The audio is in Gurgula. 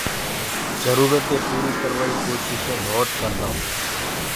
جرورتينٚ پوريٚ ڪروائيٚ ڪوشيشينٚ ڀوَت ڪردآئونٚ